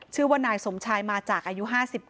ชื่อว่านายสมชายมาจากอายุ๕๙